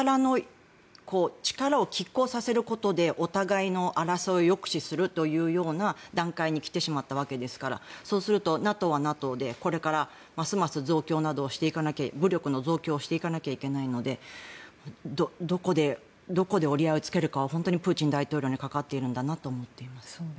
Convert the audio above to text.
力をきっ抗させることでお互いの争いを抑止するというような段階に来てしまったわけですからそうするとＮＡＴＯはＮＡＴＯでこれからますます武力の増強をしていかなきゃいけないのでどこで折り合いをつけるかは本当にプーチン大統領にかかっているんだなと思っています。